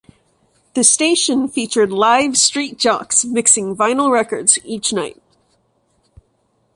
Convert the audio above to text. The station featured live street jocks mixing vinyl records each night.